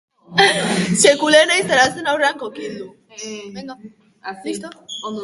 Sekula ez naiz arazoen aurrean kokildu.